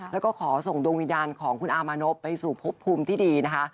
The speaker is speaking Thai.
แล้วก็ขอส่งดวงวิญญาณของคุณอามานพไปสู่พบภูมิที่ดีนะคะ